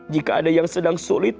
jika ada yang sedang sulit